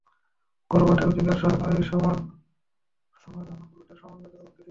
গর্ভপাতের অধিকারসহ নারীর সমান শ্রমের জন্য পুরুষদের সমান বেতনের পক্ষে তিনি।